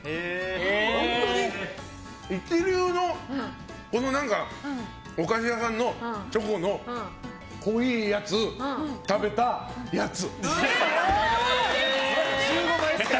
本当に一流のお菓子屋さんのチョコの濃いやつ食べたやつ。